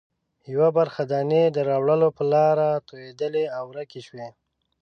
یوه برخه دانې د راوړلو په لاره توېدلې او ورکې شوې.